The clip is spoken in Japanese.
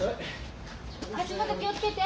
足元気を付けて。